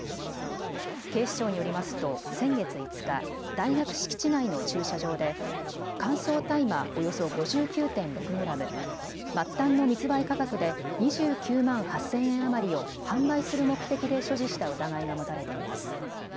警視庁によりますと先月５日、大学敷地内の駐車場で乾燥大麻およそ５９．６グラム、末端の密売価格で２９万８０００円余りを販売する目的で所持した疑いが持たれています。